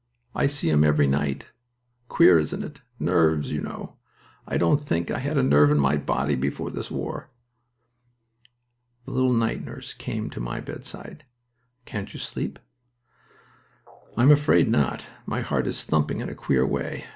I see him every night. Queer, isn't it? Nerves, you know. I didn't think I had a nerve in my body before this war." The little night nurse came to my bedside. "Can't you sleep?" "I'm afraid not. My heart is thumping in a queer way.